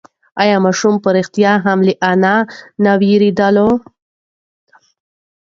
ایا ماشوم په رښتیا هم له انا نه وېرېدلی و؟